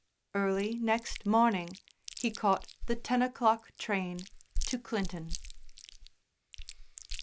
Early next morning he caught the ten o'clock train to Clinton.